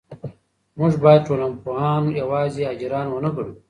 موږ باید ټولنپوهان یوازې اجیران ونه ګڼو.